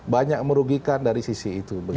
banyak merugikan dari sisi itu